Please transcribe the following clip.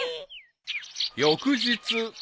［翌日］